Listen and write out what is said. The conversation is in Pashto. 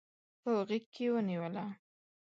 په غیږ کې ونیوله